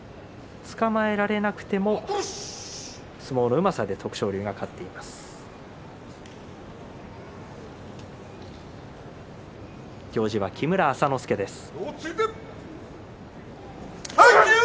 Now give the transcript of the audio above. つかまえられなくても相撲のうまさで徳勝龍が勝っています。